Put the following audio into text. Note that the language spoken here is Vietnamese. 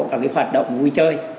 các cái hoạt động vui chơi